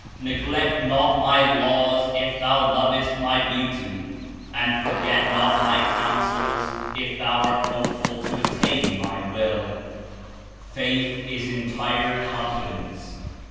Neglect not My Laws if thou loves t My Beauty, and forget not My Counsels if thou art hope ful to attain My Will/' Faith Is entire confidence.